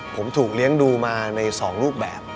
ผมถูกเลี้ยงดูมาใน๒รูปแบบ